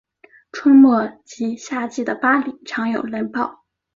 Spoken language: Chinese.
春末及夏季的巴里常有雷暴。